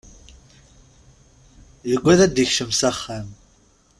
Yuggad ad d-ikcem s axxam.